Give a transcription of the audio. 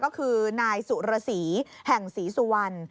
ก็คือนายสุรสีแห่งศรีสุวรรณ